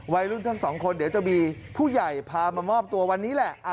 วัยรุ่นทั้งสองคนเดี๋ยวจะมีผู้ใหญ่พามามอบตัววันนี้แหละ